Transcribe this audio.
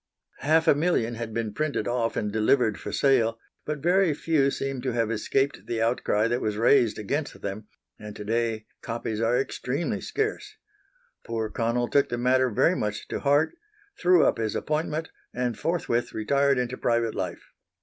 Half a million had been printed off and delivered for sale, but very few seem to have escaped the outcry that was raised against them, and to day copies are extremely scarce. Poor Connell took the matter very much to heart, threw up his appointment, and forthwith retired into private life.